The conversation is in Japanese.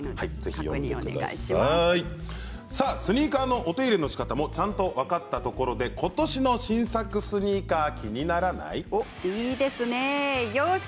スニーカーのお手入れのしかたも分かったところでことしの新作のスニーカーが気にならない？